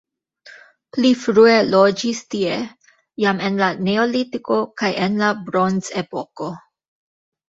Pli frue loĝis tie jam en la neolitiko kaj en la bronzepoko.